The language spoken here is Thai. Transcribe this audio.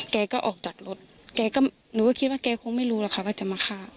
แกก็ออกจากรถแกก็หนูก็คิดว่าแกคงไม่รู้หรอกค่ะว่าจะมาฆ่า